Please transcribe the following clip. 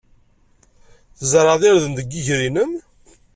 Tzerɛeḍ irden deg yiger-nnem.